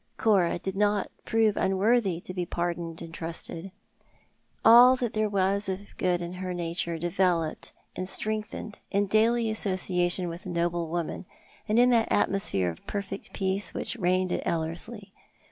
Cora did not prove unworthy to bo pardoned and trusted. All that there was of good in her nature developed and strengthened in daily association with a noble woman, and in that atmosphere of perfect peace which reigned at Ellerslie.